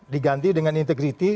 diganti dengan integritas